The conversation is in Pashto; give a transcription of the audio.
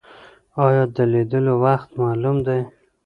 ایا د لیدلو وخت معلوم دی؟